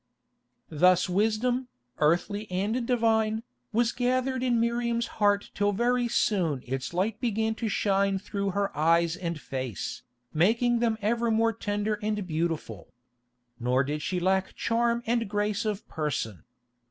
Thus wisdom, earthly and divine, was gathered in Miriam's heart till very soon its light began to shine through her eyes and face, making them ever more tender and beautiful. Nor did she lack charm and grace of person.